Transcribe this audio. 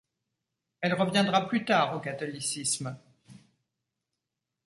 Elle reviendra plus tard au catholicisme.